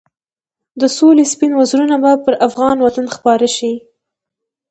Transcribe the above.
د سولې سپین وزرونه به پر افغان وطن خپاره شي.